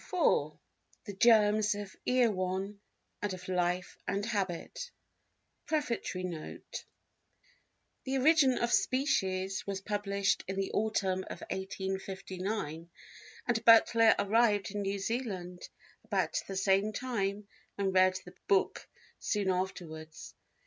III The Germs of Erewhon and of Life and Habit Prefatory Note THE Origin of Species was published in the autumn of 1859, and Butler arrived in New Zealand about the same time and read the book soon afterwards.